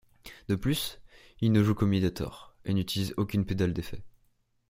De plus, il ne joue qu'au médiator et n'utilise aucune pédale d'effets.